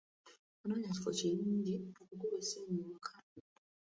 Anoonya kifo kirungi okukuba essimu ewaka.